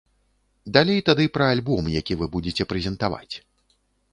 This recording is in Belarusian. Далей тады пра альбом, які вы будзеце прэзентаваць.